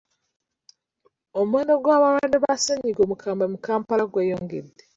Omuwendo gw'abalwadde ba ssennyiga omukambwe mu Kampala gweyongedde.